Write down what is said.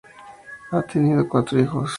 Ha tenido cuatro hijos.